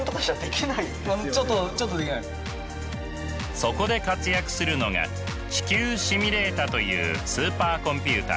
そこで活躍するのが地球シミュレータというスーパーコンピューター。